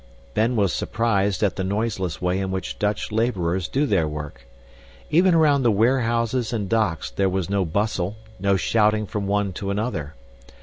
Ben was surprised at the noiseless way in which Dutch laborers do their work. Even around the warehouses and docks there was no bustle, no shouting from one to another.